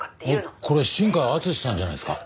おっこれ新海敦さんじゃないですか？